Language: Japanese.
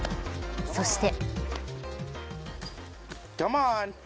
そして。